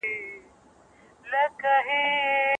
ما د دې صحنې مانا وپوهېدم.